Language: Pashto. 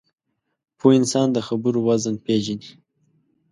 پوه انسان د خبرو وزن پېژني